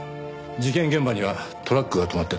事件現場にはトラックが止まってた。